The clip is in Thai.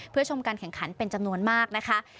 เพื่อชมการแข่งขันเป็นจำนวนมากนะคะ